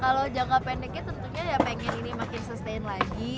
kalau jangka pendeknya tentunya ya pengen ini makin sustain lagi